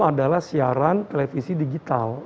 adalah siaran televisi digital